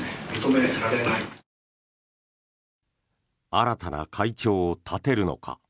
新たな会長を立てるのか。